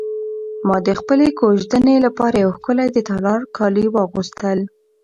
ما د خپلې کوژدنې لپاره یو ښکلی د تالار کالي واخیستل.